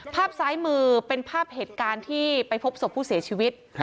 ภาพซ้ายมือเป็นภาพเหตุการณ์ที่ไปพบศพผู้เสียชีวิต